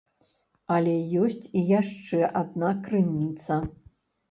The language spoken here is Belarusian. Але ёсць і яшчэ адна крыніца.